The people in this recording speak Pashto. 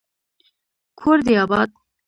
کور دي اباد